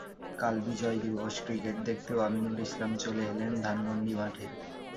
কাল বিজয় দিবস ক্রিকেট দেখতেও আমিনুল ইসলাম চলে এলেন ধানমন্ডি মাঠে।